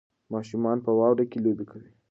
ماشومان په واوره کې لوبې کوي.